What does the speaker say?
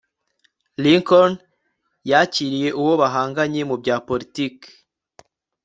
Lincoln yakiriye uwo bahanganye mu bya politiki